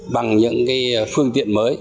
bằng những phương tiện mới